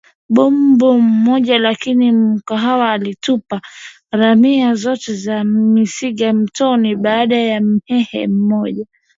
bombomu moja Lakini Mkwawa alitupa ramia zote za mizinga mtoni baada ya Mhehe mmoja